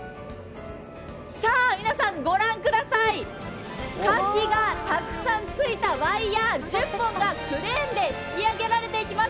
さあ皆さん、ご覧ください、かきがたくさんついたワイヤー１０本がクレーンで引き上げられていきます。